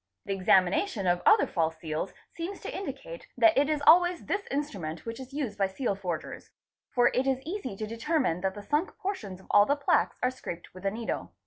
The examina : SS, | tion of other false seals seems to indicate that it is always this instrument — which is used by seal forgers, for it is easy to determine that the sunk i portions of all the plaques are scraped with a needle.